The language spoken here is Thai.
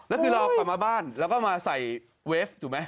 แล้วคือเรากลับมาบ้านเราก็มาใส่เวฟถูกไหม